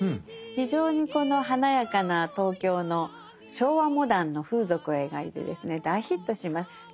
非常にこの華やかな東京の昭和モダンの風俗を描いてですね大ヒットします。